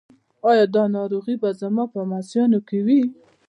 ایا دا ناروغي به زما په لمسیانو کې وي؟